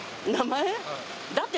だって。